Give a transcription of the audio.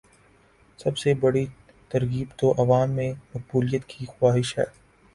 سب سے بڑی ترغیب تو عوام میں مقبولیت کی خواہش ہے۔